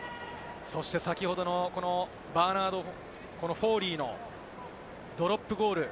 先ほどのバーナード・フォーリーのドロップゴール。